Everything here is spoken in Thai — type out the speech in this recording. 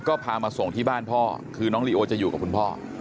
ก็พามาส่งที่บ้านพ่อคือน้องลีโอจะอยู่กับคุณพ่อ